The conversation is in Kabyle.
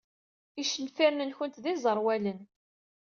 Icenfiren-nwent d iẓerwalen.